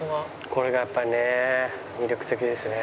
これがやっぱりね魅力的ですね。